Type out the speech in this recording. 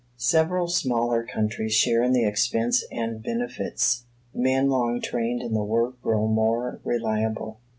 Several smaller countries share in the expense and benefits. Men long trained in the work grow more reliable.